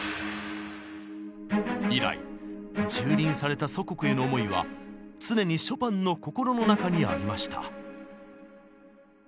以来蹂躙された祖国への思いは常にショパンの心の中にありました。